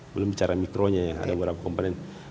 belum bicara mikronya ya ada beberapa komponen